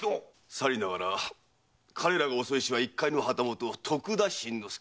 さりながら彼らが襲いしは一介の旗本・徳田新之助。